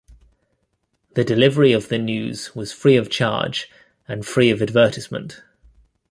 The delivery of the news was free of charge and free of advertisement.